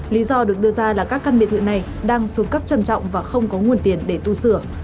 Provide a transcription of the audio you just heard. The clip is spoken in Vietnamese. lý do được đưa ra là các căn biệt thự này đang xuống cấp trầm trọng và không có nguồn tiền để tu sửa